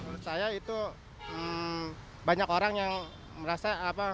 menurut saya itu banyak orang yang merasa apa